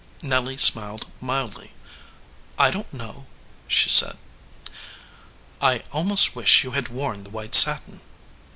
Nelly smiled mildly. "I don t know," she said. "I almost wish you had worn the white satin."